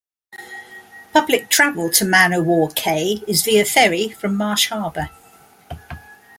Public travel to Man-O-War Cay is via ferry from Marsh Harbour.